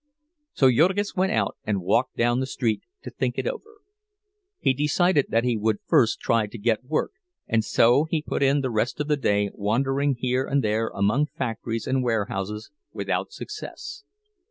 So Jurgis went out, and walked down the street to think it over. He decided that he would first try to get work, and so he put in the rest of the day wandering here and there among factories and warehouses without success.